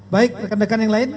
baik reken reken yang lain